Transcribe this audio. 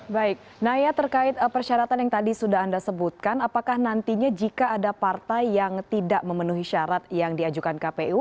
baik naya terkait persyaratan yang tadi sudah anda sebutkan apakah nantinya jika ada partai yang tidak memenuhi syarat yang diajukan kpu